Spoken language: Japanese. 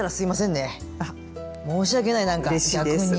申し訳ないなんか逆に。